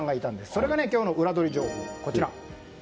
それが今日のウラどり情報。